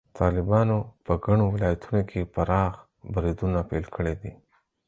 طالبانو په ګڼو ولایتونو کې پراخ بریدونه پیل کړي دي.